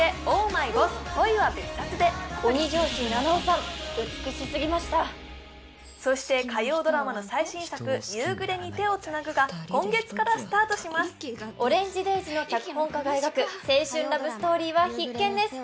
続いて鬼上司菜々緒さん美しすぎましたそして火曜ドラマの最新作「夕暮れに、手をつなぐ」が今月からスタートします「オレンジデイズ」の脚本家が描く青春ラブストーリーは必見です